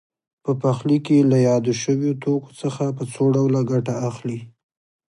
په پخلي کې له یادو شویو توکو څخه په څو ډوله ګټه اخلي.